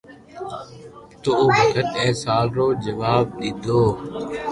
تو او ڀگت اي سال رو جواب ديديو